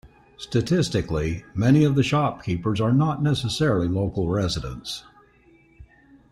Statistically, many of the shopkeepers are not necessarily local residents.